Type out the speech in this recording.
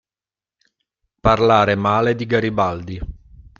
Parlare male di Garibaldi.